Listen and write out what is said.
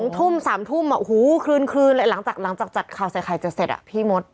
๒ทุ่ม๓ทุ่มคืนเลยหลังจากจัดข่าวใส่ไข่จะเสร็จพี่มด